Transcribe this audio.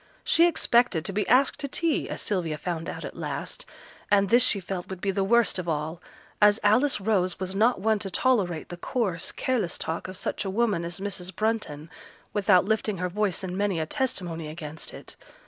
She expected to be asked to tea, as Sylvia found out at last, and this she felt would be the worst of all, as Alice Rose was not one to tolerate the coarse, careless talk of such a woman as Mrs. Brunton without uplifting her voice in many a testimony against it.